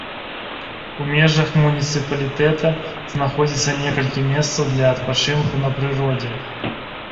У межах муніцыпалітэта знаходзіцца некалькі месцаў для адпачынку на прыродзе.